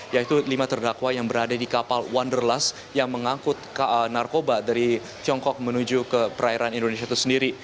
yaitu lima terdakwa yang berada di kapal wonderlus yang mengangkut narkoba dari tiongkok menuju ke perairan indonesia itu sendiri